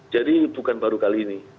jadi bukan baru kali ini